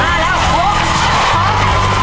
สิบหก